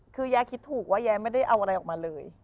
คือยายคิดถูกว่ายายไม่ได้เอาอะไรออกมาเลย